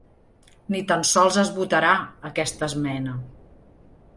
Ni tan sols es votarà, aquesta esmena.